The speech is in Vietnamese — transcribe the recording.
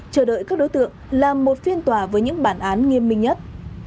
chờ đợi các đối tượng làm một phiên tòa với những bản án nghiêm minh nhất